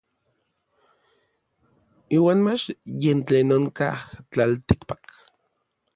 Iuan mach yen tlen onkaj tlaltikpak.